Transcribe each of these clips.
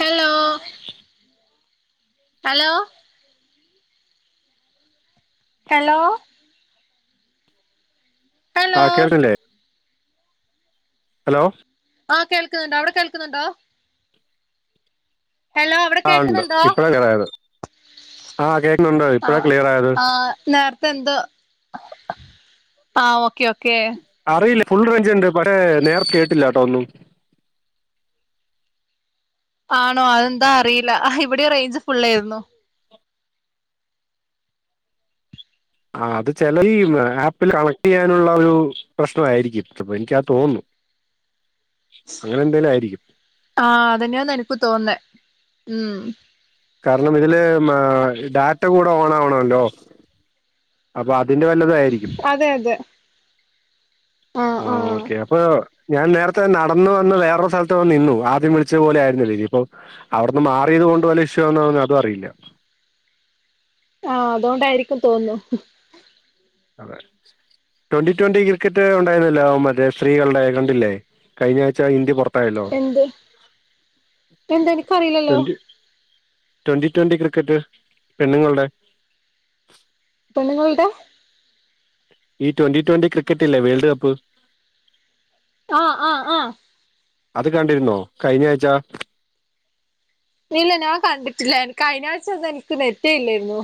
Hello [unintelligible] hello hello hello ആഹ് കേട്ടിലെ [inaudible] hello ആഹ് കേൾക്കുന്നുണ്ട് അവിടെ കേൾക്കുന്നുണ്ടോ ഹലോ അവിടെ ആഹ് ഉണ്ട് കേൾക്കുന്നുണ്ടോ ഇപ്പഴാണ് ക്ലിയറായത് ആഹ് കേക്കുന്നുണ്ട് ആ ഇപ്പഴാ ക്ലിയർ ആയത് ആഹ് ഓക്കെ ഓക്കെ അറിയില്ല ഫുൾ റേഞ്ച് ഉണ്ട് പക്ഷേ നേരത്തെ കേട്ടില്ല കേട്ടോ ഒന്നും ആണോ അതെന്താ അറിയില്ല ഇവിടെ റേഞ്ച് ഫുൾ ആയിരുന്നു ആഹ് അത് ചില ഈ ആപ്പിൽ കണക്ട് ചെയ്യാനുള്ള ഒരു പ്രശ്നമായിയിരിക്കും അപ്പൊ എനക്കാ തോന്നുന്നു അങ്ങനെ എന്തേലും ആയിരിക്കും ആഹ് അതന്നെയാന്ന എനിക്ക് തോന്നേ ഉം കാരണം ഇതില് ഡാറ്റ കൂടെ ഓൺ ആവണല്ലോ അപ്പൊ അതിന്റെ വല്ലതായിരിക്കും അതെ അതെ ആ ആ ആഹ് ഓക്കെ അപ്പൊ ഞാൻ നേരത്തെ നടന്ന് വന്ന് വേറൊരു സ്ഥലത്ത് വന്ന് നിന്നു ആദ്യം വിളിച്ചത് പോലെ ആയിരുന്നല്ലോ ഇപ്പൊ അവിടുന്ന് മാറിയത് കൊണ്ട് വല്ല ഇഷ്യുണോന്നും അറിയില്ല ആഹ് അതുകൊണ്ടായിരിക്കും തോന്നുന്നു അതെ ട്വന്റി ട്വന്റി ക്രിക്കറ്റ് ഉണ്ടായിരുന്നല്ലോ മറ്റേ സ്ത്രീകളുടെ കണ്ടില്ലേ കഴഞ്ഞ ആഴ്ച്ച ഇന്ത്യ പുറ യലോ എന്ത് എന്ത് എനിക്കറിയില്ലല്ലോ [unintelligible] ട്വന്റി ട്വന്റി ക്രിക്കറ്റ് പെണ്ണുങ്ങളുടെ പെണ്ണുങ്ങളുടെ ഈ ട്വന്റി ട്വന്റി ക്രിക്കറ്റില്ലേ വേൾഡ് കപ്പ് ആഹ് ആഹ് ആഹ് അത് കണ്ടിരുന്നോ കഴിഞ്ഞ ആഴ്ചാ ഇല്ല ഞാൻ കണ്ടിട്ടില്ല എനിക്ക് കഴിഞ്ഞ ആഴ്ച അത് എനിക്ക് നെറ്റെ ഇല്ലായിരുന്നു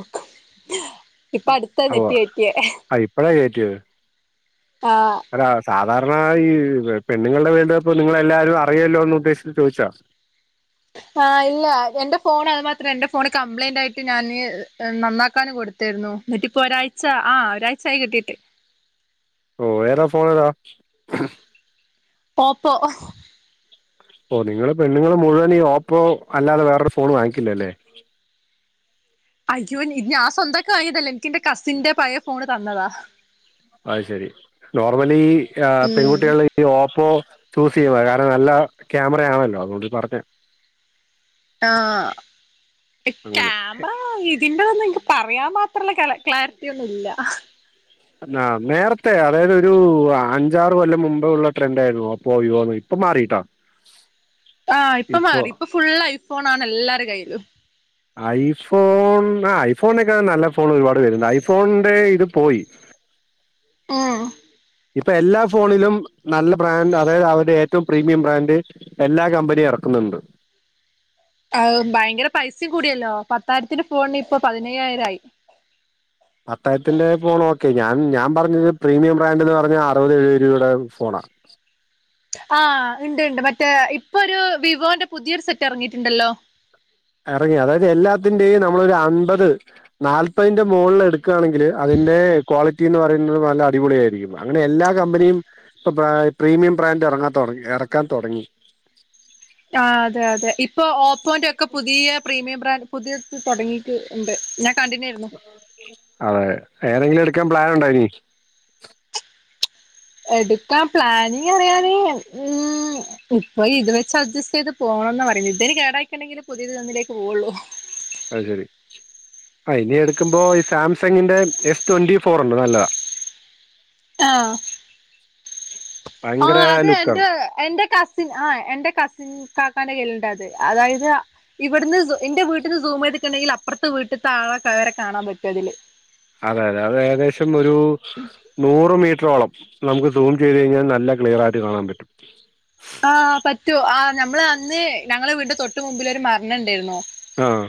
ഇപ്പൊ അടുത്താ അഹ് നെറ്റ് കയറ്റിയേ ആഹ് ഇപ്പഴേ കയറ്റിയ ആഹ് അല്ല സാധാരണ ഈ പെണ്ണുങ്ങളുടെ വേൾഡ് കപ്പ് ഇപ്പ നിങ്ങളെല്ലാരും അറിയല്ലോന്ന് ഉദ്ദേശിച്ച് ചോദിച്ച ആഹ് ഇല്ല എന്റെ ഫോൺ അതു മാത്രേ എന്റെ ഫോണ് കംപ്ലയിന്റ് ആയിട്ട് ഞാന് നന്നാക്കാന് കൊടുത്തു രുന്നു ഇന്നിപ്പൊ ഒരാഴ്ച ആഹ് ഒരാഴ്ച ആയി കിട്ടിയിട്ട് ഓഹ് ഏതാ ഫോണേതാ ഓപ്പോ ഓഹ് നിങ്ങളെ പെണ്ണുങ്ങൾ മുഴുവൻ ഈ ഓപ്പോ അല്ലാതെ വേറൊരു ഫോണ് വാങ്ങിക്കില്ല അല്ലേ അയ്യോ ഞാൻ സ്വന്തംആയിട്ട് വാങ്ങിയതല്ലേ എനിക്ക് എന്റെ കസിന്റെ പയ ഫോണ് തന്നതാ അയ് ശരി നോർമലി ഉം പെൺകുട്ടികള ഈ ഓപ്പോ യൂസ് ചെയ്യ കാരണം നല്ല ക്യാമറയാണല്ലോ അതുകൊണ്ട് പറഞ്ഞത് ആഹ് അങ്ങനെ ക്യാമറ അപ്പ ഇതിന്റെതന്നും എനിക്ക് പറയാൻ മാത്രമുള്ള ക്ലാരിറ്റി ഒന്നുല്ല ആഹ് നേരത്തെ അതായത് ഒരു അഞ്ചാറ് കൊല്ലം മുമ്പേ ഉള്ള ട്രെൻഡ് ആയിരുന്നു ഓപ്പോവോന്ന് ഇപ്പ മാറിട്ടാ ആഹ് ഇപ്പൊ മാറി ഇപ്പൊ ഫുള് ഐഫോൺ ആണ് എല്ലാരും കയ്യിലും ഐഫോൺ ആഹ് ഐഫോണിനൊക്കെ നല്ല ഫോൺ ഒരുപാട് പേരുണ്ട് ഐഫോണിന്റെ ഇത് പോയി ഓഹ് ഇപ്പൊ എല്ലാ ഫോണിലും നല്ല ബ്രാൻഡ് അതായത് അവരുടെ ഏറ്റവും പ്രീമിയം ബ്രാൻഡ് എല്ലാ കമ്പനിയും ഇറക്കുന്നുണ്ട് ആഹ് ഭയങ്കര പൈസയും കൂടിയല്ലോ പത്തായിരത്തിന്റെ ഫോണിന് ഇപ്പൊ പതിനയ്യായിരയി പത്തായിരത്തിന്റെ ഫോൺ ഓക്കെ ഞാൻ ഞാൻ പറഞ്ഞത് പ്രീമിയം ബ്രാൻഡ എന്ന് പറഞ്ഞാ അറുപത് എഴുപത് രൂപയുടെ ഫോണാണ് ആഹ് ഉണ്ട് ഉണ്ട് മറ്റേ ഇപ്പൊ ഒരു വിവോന്റെ പുതിയൊരു സെറ്റ് ഇറങ്ങിയിട്ടുണ്ടല്ലോ ഇറങ്ങി അതായത് എല്ലാത്തിന്റെയും നമ്മളൊരു അൻപത് നാല്പതിന്റെ മുകളിൽ എടു എട്ക്കാണെങ്കിൽ അതിന്റെ ക്വാളിറ്റി എന്ന് പറയുന്നത് നല്ല അടിപൊളിയായിരിക്കും അങ്ങനെ എല്ലാ കമ്പനിയും ഇപ്പൊ പ്രീമിയം ബ്രാന്റ് ഇറങ്ങാൻ തുടങ്ങി ഇറക്കാൻ തുടങ്ങി ആഹ് അതെ അതെ ഇപ്പൊ ഓപ്പോന്റെ ഒക്കെ പുതിയ പ്രീമിയം ബ്രാൻഡ് പുതിയത് തുടങ്ങീട്ട് ഉണ്ട്, ഞാൻ കണ്ടിന്ന് ആരുന്നു അതെ ഏതെങ്കിലും എടുക്കാൻ പ്ലാൻ ഉണ്ടോ ഇനി എടുക്കാൻ പ്ലാനിങ് അറിയാന് ഉം ഉപ്പോ ഇത് വെച്ച് അഡ്ജസ്റ്റ് ചെയ്ത് പോണംന്ന പറയുന്നത് ഇതിന് കേടായിണ്ടെങ്കിൽ പുതിയത് ഒന്നിലേക്ക് പോവുള്ളൂ അത് ശരി ആഹ് ഇനി എടുക്കുമ്പോ ഈ സാംസങ്ങിന്റെ എസ് ട്വന്റി ഫോർ ഉണ്ട് നല്ലതാ ആഹ് [inaudible] ആഹ് അത് ലുക്കാണ് എന്റെ എന്റെ കസിൻ ആ എന്റെ കസിൻ ഇകാക്കാന്റെ കയ്യിലുണ്ട് അത് അതായത് ഇവിടുന്ന് എന്റെ വീട്ടിൽന്ന് സൂമേയ്ത്ട്ട് ഉണ്ടെങ്കിൽ അപ്പുറത്തെ വീട്ടത്തെ ആളെ വരെ കാണാൻ പറ്റും ഇതില് അതെ അതെ അത് ഏകദേശം ഒരു നൂറ് മീറ്ററോളം നമുക്ക് സൂം ചെയ്തു കഴിഞ്ഞാൽ നല്ല ക്ലിയർ ആയിട്ട് കാണാൻ പറ്റും ആഹ് പറ്റു, ആഹ് നമ്മൾ അന്ന് ഞങ്ങളെ വീടിന്റെ തൊട്ട് മുന്പിൽ ഒരു മരണം ഉണ്ടായിരുന്ന് ആഹ്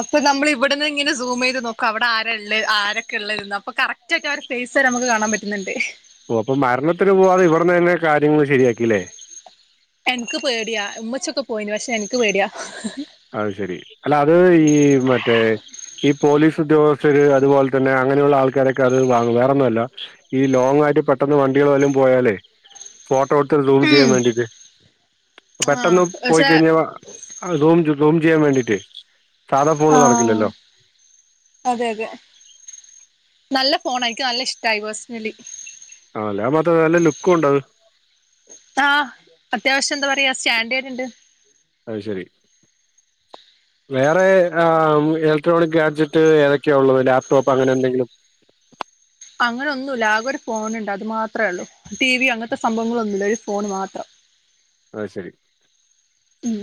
അപ്പൊ നമ്മൾ ഇവിടന്ന് ഇങ്ങനെ സൂം ചെയ്ത് നോക്കും അവിടെ ആരള്ള ആരൊക്കെ ഉള്ളന്ന് അപ്പൊ കറക്ട് കറക്റ്റ് ആയിട്ടവരെ ഫേസ് വരെ നമുക്ക് കാണാൻ പറ്റുന്നുണ്ട് ഓഹ് അപ്പൊ മരണത്തിന് പോവാതെ ഇവിട്ന്ന് തന്നെ കാര്യങ്ങൾ ശരിയാക്കില്ലേ എനിക്ക് പേടിയാ ഉമ്മച്ചിയോക്കെ പോയിന് പക്ഷെ എനിക്ക് പേടിയാ അത് ശരി അല്ല അത് ഈ മറ്റേ ഈ പോലീസ് ഉദ്യോഗസ്ഥര് അതുപോലെ തന്നെ അങ്ങനെയുള്ള ആൾക്കാരൊക്കെ അത് വാങ്ങും വേറെന്നുല്ല ഈ ലോങ് ആയിട്ട് പെട്ടെന്ന് വണ്ടികൾ വല്ലതും പോയാലേ ഫോട്ടോ എടുത്ത് സൂം ചെയ്യാൻ ഉം വേണ്ടീട്ട് ആഹ് പെട്ടെന്ന് പോയി പക്ഷെ കഴിഞ്ഞാൽ സൂം സൂ ചെയ്യാൻ വേണ്ടീട്ട് ആഹ് അതെ അതെ നല്ല ഫോണ യിക്ക് നല്ല ഇഷ്ടമായി പേഴ്സണലി ആ അല്ലെ മറ്റേ അല്ല നല്ല ലുക്കും ഉണ്ട് അത് ആഹ് അത്യാവശ്യം എന്താ പറയാ സ്റ്റാൻഡേർഡ് ഉണ്ട് അത് ശരി [inaudible] വേറെ ആഹ് ഇലക്ട്രോണിക് ഗാഡ്ജറ്റ് ഏതൊക്കെയ ഉള്ളത് ലാപ്ടോപ്പ് അങ്ങനെ എന്തെങ്കിലും അങ്ങനെ ഒന്നുല്ല ആകെ ഒരു ഫോണുണ്ട് അത് മാത്രമേള്ളൂ ടി വി അങ്ങനത്തെ സംഭവങ്ങളൊന്നുമല്ല ഒരു ഫോണ് മാത്രം അത് ശരി ഉം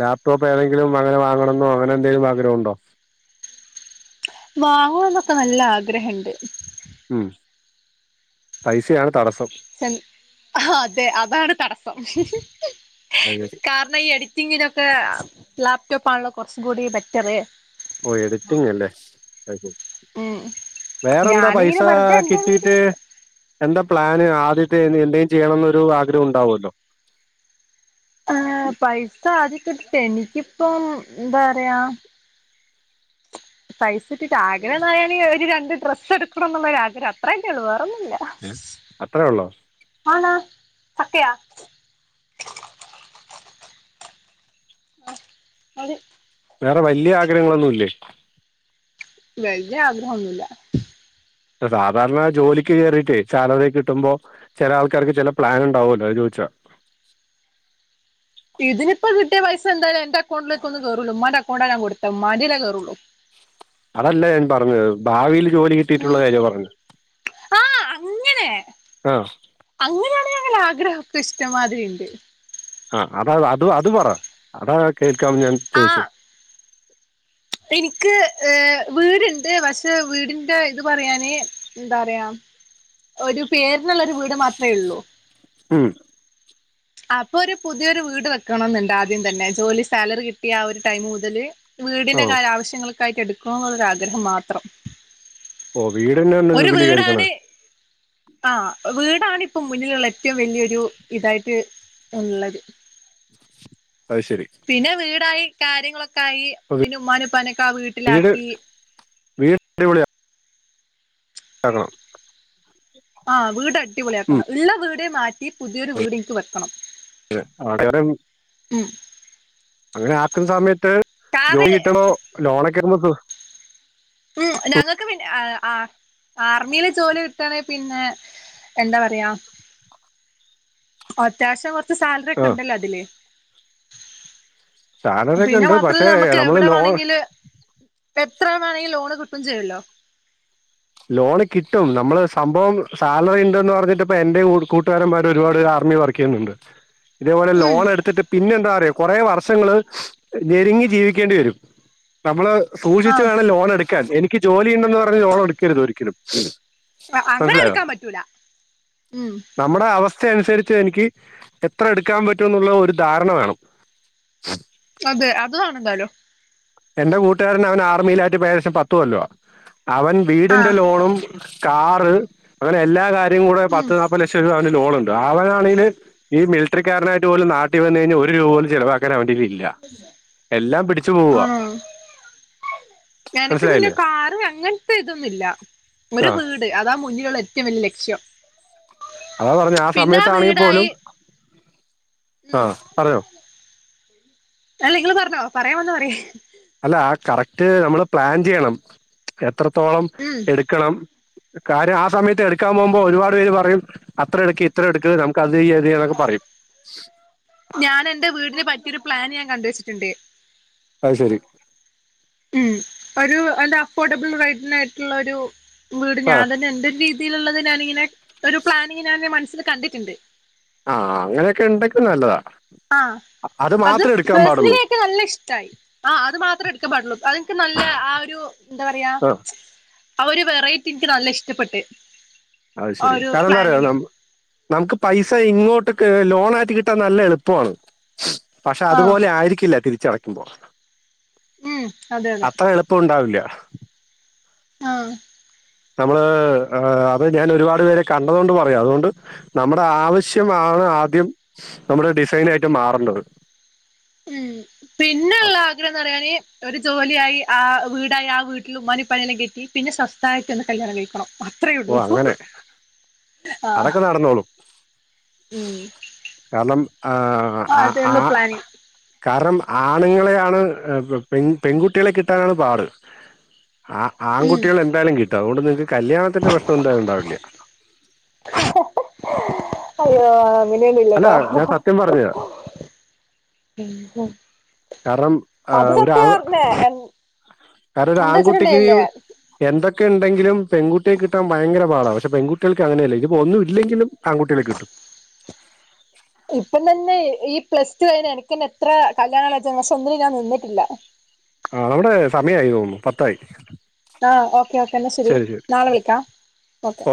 ലാപ്ടോപ്പ് ഏതെങ്കിലും അങ്ങനെ വാങ്ങാണംന്നോ അങ്ങനെ എന്തങ്കിലും ആഗ്രഹണ്ടോ? വാങ്ങുന്നക്കെ നല്ല ആഗ്രഹണ്ട്. ഉം പൈസയാണ് തടസ്സം അതെ അതാണ് തടസ്സം അത് ശരി. കാരണം ഈ എഡിറ്റ്‌ റ്റിങ് ങ്ങനൊക്കെ ലാപ്ടോപ്പാണല്ലോ കുറച്ചും കൂടി ബെറ്ററ് ഓഹ് എഡിറ്റിംഗ അല്ലേ അത് ശരി ഉം വേറെ എന്താ പൈസ ഞാനിങ്ങനെ വെറുതെ എന്റെ വീഡിയോ കിട്ടീട്ട് എന്താ പ്ലാന് ആദ്യത്തെ എന്തേും ചെയ്യണന്നൊരു ആഗ്രഹം ഉണ്ടാവുല്ലോ ഏഹ് പൈസ ആദ്യം കിട്ടി, എനിക്കിപ്പം എന്താ പറയാ പൈസ കിട്ടീട്ട് ആഗ്രഹംന്ന് പറയാൻ ഒരു രണ്ട് ഡ്രസ്സ് എടുക്കണം എന്നുള്ളൊ ഒരു ആഗ്രഹം അത്ര തന്നെയുള്ളൂ വേറന്നുല്ല അത്രയേ ഉള്ളോ ആണാ സത്യ മതി വേറെ വല്ല്യ ആഗ്രഹങ്ങളൊന്നുല്ലേ വലിയ ആഗ്രഹംന്നുല്ല സാധാരണ ജോലിക്ക് കേയറിട്ട് സാലറി കിട്ടുമ്പോ ചില ആൾക്കാർക്ക് ചില പ്ലാൻ ഉണ്ടുവല്ലോ അത് ചോദിച്ചാ ഇതിനിപ്പ കിട്ടിയ പൈസ എന്തായാല എന്റെ അക്കൗണ്ടിലേക്ക് ഒന്ന് കേറൂല മന്റെ അക്കൗണ്ടാണ് ഞാ കൊടുത്ത ഉമ്മാന്റെയേ കേറുള്ളൂ. അതല്ല ഞാൻ പറഞ്ഞത് ഭാവിയിൽ ജോലി കിട്ടിയിട്ടുള്ള കാര്യ പറഞ്ഞ ആഹ അങ്ങനെ ആഹ അങ്ങനെയാണ് ഞങ്ങള ആഗ്രഹമൊക്കെ ഇഷ്ടംമാതിരി ഉണ്ട് ആ അത അത് അത് പറ അതാ കേൾക്കാ ഞാൻ ചോദിച്ച. ആഹ് എനിക്ക് ഏ വീടുണ്ട് പക്ഷെ വീടിന്റെ ഇത് പറയാന് എന്താ പറയാ ഒരു പേരിനുള്ള ഒരു വീട് മാത്രമേ ഉള്ളൂ. ഉം അപ്പൊ ഒരു പുതിയൊരു വീട് വെക്കണ എന്നുണ്ട് ആദ്യം തന്നെ ജോലി സാലറി കിട്ടിയ ആ ഒരു ടൈം മുതല് വീടിന്റെ ആ കാല ആവശ്യങ്ങൾക്കായിട്ട് എടുക്കണം എന്നുള്ള ആഗ്രഹം മാത്രം ഓ വീട് ഒരു വീടാണ് ആഹ വീടാണ് ഇപ്പം മുന്നിലുള്ള ഏറ്റവും വലിയൊരു ഇതായിട്ട് ഉള്ളത്. അത് ശരി പിന്നെ വീടായി കാര്യങ്ങളൊക്കെ ആയി അപ്പൊ പിന്നെ ഉമ്മാനപ്പനൊക്കെ ആ വീട്ടിലാക്കി വീട്ടടിപളിയ [unintelligible] ആഹ് വീട് അടിപൊളിയ ഉം ആക്കണം ഇള്ള വീട് മാറ്റി പുതിയൊരു വീട് എനിക്ക് വെക്കണം. [unintelligible] ഉം അങ്ങനെ ആക്കുന്ന സമയത്ത് ജോലി കാരണം കിട്ടണോ ലോണൊക്കെ ആവുമ്പോ ഉ ഞങ്ങൾക്ക് പിന്നെ ആർമിയില് ജോലി കിട്ടണെ പിന്നെ എന്താ പറയാ അത്യാവശ്യം കൊറച്ച് സാലറി ഒക്കെ ആ ഉണ്ടല്ലോ അതില് സാലറി ഒക്കെ പിന്നെ ഉണ്ട് പക്ഷെ മാത്രമല്ല നമുക്ക് നമ്മള് എവിടെ ലോൺ വേണെങ്കില് എത്ര വേണെങ്കിൽ ലോൺ കിട്ടും ചെയ്യുമല്ലോ ലോണ് കിട്ടും നമ്മള് സംഭവം സാലറി ഉണ്ടന്ന് പറഞ്ഞിട്ടിപ്പ എന്റെ കൂട്ടുകാരന്മാ ഒരുപാട് ആർമി വർക്ക് ചെയ്യുന്നുണ്ട്. [inaudible] ഇതേപോലെ ഉം ലോൺ എടുത്തിട്ട് പിന്നെ എന്താ പററയ കുറെേ വർഷങ്ങള് ഞരുങ്ങി ജീവിക്കേണ്ടി വരും. നമ്മള് സൂക്ഷിച്ചച്ച് ആഹ് വേണം ലോണ് എടുക്കാൻ എനിക്ക് ജോലി ഉണ്ടന്ന് പറഞ്ഞഞ് ലോണ് എടുക്കരുത് ഒരിക്കലും അങ്ങനെ മനസ്സിലായോ എടുക്കാൻ പറ്റൂല ഉം നമ്മുടെ അവസ്ഥ അനുസരിച്ച് എനിക്ക് എത്ര എടുക്കാൻ പറ്റു എന്നുള്ള ഒരു ധാരണ വേണം. അതെ അത് വേണം എന്താലും എന്റെ കൂട്ടുകാരൻ അവൻ ആർമിൽ ആട്ട് ഏകദേശം പത്തു കെല്ലോ അവൻ ആഹ് വീടിന്റെ ലോണും കാറ് അങ്ങനെ എല്ലാ കാര്യം കൂടെ ഉം പത്ത് നാല്പ്പത് ലക്ഷം രൂപ അവന് ലോണ് ഉണ്ട് അവനാണെങ്കില് ഈ മിലിറ്ററി കാരനായിട്ട്പോലും നാട്ടിൽ വന്ന് കഴിഞ്ഞാൽ ഒരു രൂപ പോലും ചിലവാക്കാൻ അവൻ്റെ കയ്യിലില്ല. എല്ലാം പിടിച്ചു പോവവാ ആഹ എനക്ക് പിന്നെ മനസ്സിലായില്ലേ കാറ് അങ്ങനത്തെ ഇതൊന്നുല്ല ആ ഒരു വീട് അതാ മുന്നിലുള്ള ഏ റ്റവും വല്യ ലക്ഷ്യം അതാ പറഞ്ഞേ ആ പിന്നെ സമയത്താണെങ്കിൽ പോലും വീടായി ഉം ആഹ പറഞ്ഞോ അല്ല ങ്ങള് പറഞ്ഞോ പറയാം വന്നാപറി അല്ല ആ കറക്റ്റ് നമ്മൾ പ്ലാൻ ചെയ്യണം എത്രത്തോളം ഉം എടുക്കണം. കാര്യം ആ സമയത്ത് എടുക്കാൻ പോകുമ്പോ ഒരുപാട് പേര് പറയും അത്ര എടുക്ക് ഇത്ര എടുക്ക് നമുക് [unintelligible] എതിയക്കെ പറയും ഞാനെന്റെ വീടിന് പറ്റിയൊരു പ്ലാന് ഞാൻ കണ്ടുവെച്ചിട്ട്ണ്ട് അത് ശരി ഉം ഒരു എൻ്റെ അഫോർഡബിൾ റേറ്റിനായിട്ടുള്ള ഒരു വീട് ആ ഞാൻ തന്നെ എൻ്റൊര് രീതി തിയിലുള്ളത് ഞാനിങ്ങനെ ഒരു പ്ലാനിങ് ഞാൻ എൻ്റെ മനസ്സില് കണ്ടിട്ട്ണ്ട് ആഹ് അങ്ങനെയൊക്കെ ഉണ്ടക്കി നല്ലതാ അത് മാത്രേ എടുക്കാൻ പാടുള്ളൂ ഇക്ക് നല്ല ഇഷ്ടായി ആഹ് അത് മാത്രേ എട്ക്കാൻ പാടുള്ളൂ അതിൻക്ക് നല്ല ആഹ് ഒരു എന്താ പറയാ ആ ആ ഒരു വെറൈറ്റി ഇൻക്ക് നല്ല ഇഷ്ടപ്പെട്ട് അത് ആ ശരി ഒരു കാരണം എന്തന്നറിയുവോ പ്ലാനിങ് നമ നമുക്ക് പൈസ ഇങ്ങോട്ട് കേ ലോണായിട്ട് കിട്ടാൻ നല്ല എളുപ്പണ് പക്ഷെ ആഹ് അതുപോലെ ആയിരിക്കില്ല തിരിച്ചടക്കുമ്പോ ഉം അതെ അതെ അത്ര എളുപ് പ്പൊണ്ടാവില്ല്യ ആഹ് നമ്മള് ഏഹ് അത് ഞാൻ ഒരുപാട് പേരെ കണ്ടതോണ്ട് പറയാ അതുകൊണ്ട് നമ്മുടെ ആവശ്യമാണ് ആദ്യം നമ്മുടെ ഡിസൈനായിട്ട് മാറണ്ടത് ഉം പിന്നൊള്ള ആഗ്രഹന്ന്റയാന് ഒരു ജോല്യായി ആഹ് വീടായി ആഹ് വീട്ടില് ഉമാനിപ്പനിയെല്ലാ കെറ്റി പിന്നെ സ്വസ്തായിട്ടൊന്ന് കല്യാണം കഴിക്കണം അത്രേ ഓ ഉള്ളൂ അങ്ങനെ ആഹ് അതൊക്കെ നടന്നോളും കാരണം ആഹ് ആ ആ അതേള്ളൂ പ്ലാനിങ് കാരണം ആണുങ്ങളെയാണ് പെൺ പെൺകുട്ടികളെ കിട്ടാനാണ് പാട് ആ ഉം ആൺകുട്ടികളെ എന്തായാലും കിട്ടും അതുകൊണ്ട് നിങ്ങക്ക് കല്യാണത്തിന്റെ പ്രശ്നം എന്തായാലും ഉണ്ടാവില്ല അള്ളോ അല്ല അങ്ങനെയൊന്നുല്ലട്ടോ ഞാൻ സത്യം പറഞ്ഞതാ കാരണം ആഹ് ഒരു ആണ് കാരണം എന്താ ഒരാൺകുട്ടിക്ക് വെച്ചിട്ടുണ്ടേല്ലേ എന്തൊക്കെ ഉണ്ടെങ്കിലും പെൺകുട്ടിയെ കിട്ടാൻ ഭയങ്കര പാടാ പക്ഷെ പെൺകുട്ടികൾക്ക് അങ്ങനെയല്ല ഇഞ്പ്പോ ഒന്നും ഇല്ലെങ്കിലും ആൺകുട്ട്യളെ കിട്ടും ഇപ്പം തന്നെ ഈ പ്ലസ് ടു കഴിഞ്ഞ എനിക്കെന്നെ എത്ര കല്യാണാലോജന പക്ഷെ ഒന്നിനും ഞാൻ നിന്നിട്ടില്ല ആഹ് നമ്മുടെ സമയായി തോന്നുന്നു പത്തായി ആഹ് ഓക്കേ ഓക്കേ എന്നാ ശെരി ശരി ശരി നാളെ വിളിക്കാം ഓക്കെ